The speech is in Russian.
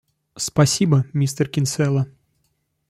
Спасибо, мистер Кинсела.